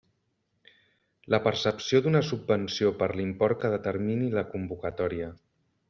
La percepció d'una subvenció per l'import que determini la convocatòria.